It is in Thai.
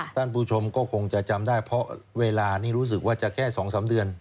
ท่านผู้ชมก็คงจะจำได้เพราะเวลานี้รู้สึกว่าจะแค่๒๓เดือน